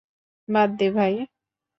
বাদ দে, ভাই।